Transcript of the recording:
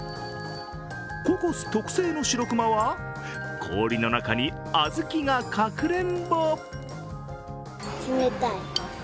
ココス特製のしろくまは氷の中に小豆がかくれんぼ。